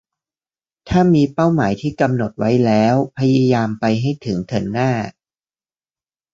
ถ้ามีเป้าหมายที่กำหนดไว้แล้วพยายามไปให้ถึงเถอะน่า